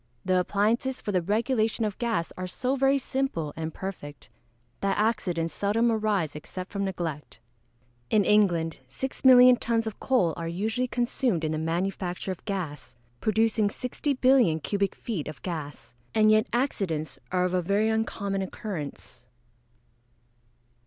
The appliances for the regulation of gas are so very simple and perfect, that accidents seldom arise except from neglect. In England 6,000,000 tons of coal are usually consumed in the manufacture of gas, producing 60,000,000,000 cubic feet of gas. And yet accidents are of very uncommon occurrence.